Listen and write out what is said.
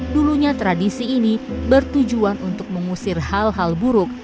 dulunya tradisi ini bertujuan untuk mengusir hal hal buruk